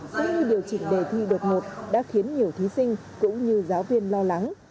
cũng như điều chỉnh đề thi đột ngột đã khiến nhiều thí sinh cũng như giáo viên lo lắng